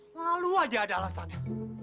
lalu aja ada alasannya